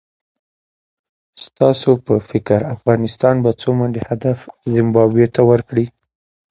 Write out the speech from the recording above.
ستاسو په فکر افغانستان به څو منډي هدف زیمبابوې ته ورکړي؟